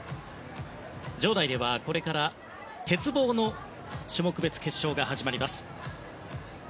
場内では、これから鉄棒の種目別決勝が始まります。